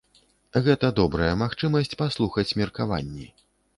Гэта добрая магчымасць паслухаць меркаванні.